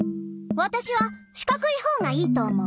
わたしはしかくいほうがいいと思う。